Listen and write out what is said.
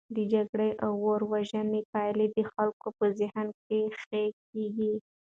د جګړې او ورور وژنې پایلې د خلکو په ذهن کې خښي کیږي.